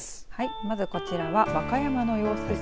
まずこちらは和歌山の様子です。